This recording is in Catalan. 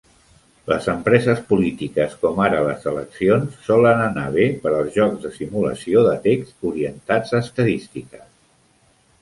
Les empreses polítiques com ara les eleccions solen anar bé per als jocs de simulació de text orientats a estadístiques.